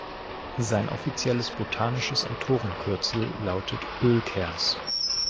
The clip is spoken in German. Sein offizielles botanisches Autorenkürzel lautet „Oehlkers“.